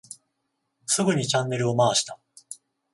すぐにチャンネルを回した。